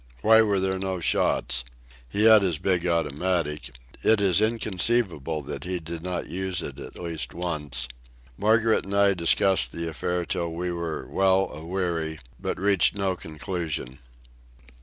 Why were there no shots? He had his big automatic. It is inconceivable that he did not use it at least once. Margaret and I discussed the affair till we were well a weary, but reached no conclusion.